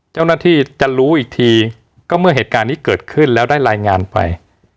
เจ้าหน้าที่จะรู้อีกทีก็เมื่อเหตุการณ์นี้เกิดขึ้นแล้วได้รายงานไป